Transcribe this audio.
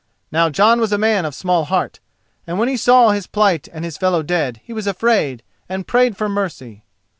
Now Jon was a man of small heart, and when he saw his plight and his fellow dead he was afraid, and prayed for mercy.